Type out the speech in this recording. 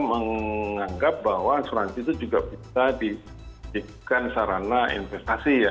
menganggap bahwa asuransi itu juga bisa dikaitkan dengan sarana investasi